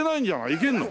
行けるの？